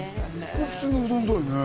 これ普通のうどんだよね